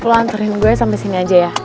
kamu lanturin gue sampai sini aja ya